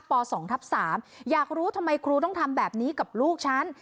ป๒ทับ๓อยากรู้ทำไมครูต้องทำแบบนี้กับลูกฉัน